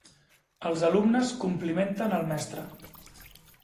Els alumnes complimenten el mestre.